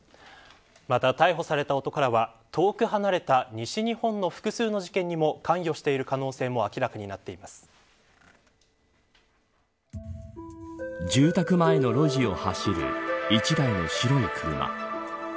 また、逮捕された男らは遠く離れた西日本の複数の事件にも関与している可能性も住宅前の路地を走る１台の白い車。